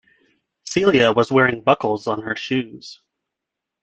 Celia was wearing buckles on her shoes.